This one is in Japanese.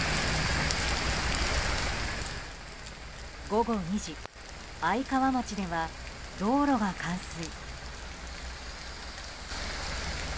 午後２時愛川町では道路が冠水。